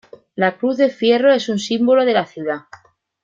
La cruz de fierro es un símbolo de la ciudad.